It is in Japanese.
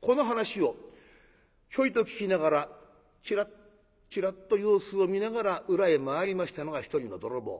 この話をひょいと聞きながらチラッチラッと様子を見ながら裏へ回りましたのが一人の泥棒。